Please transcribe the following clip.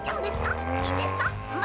いいんですか？